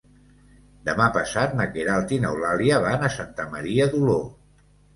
Demà passat na Queralt i n'Eulàlia van a Santa Maria d'Oló.